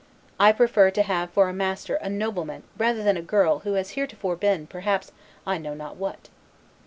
I prefer to have for master a noble man rather than a girl who has heretofore been, perhaps, I know not what."